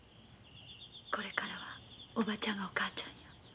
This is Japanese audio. これからはおばちゃんがお母ちゃんや。